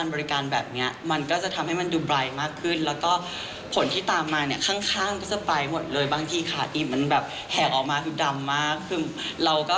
ออกมาคือดำมากคือเราก็ทำแบบนี้มันก็จะดูไบร์ท